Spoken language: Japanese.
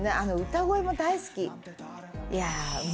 歌声も大好き。